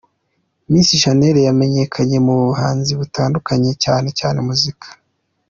Miss Shanel yamenyekanye mu buhanzi butandukanye cyane cyane muzika.